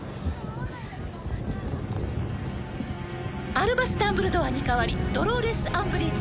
「アルバス・ダンブルドアに代わりドローレス・アンブリッジを」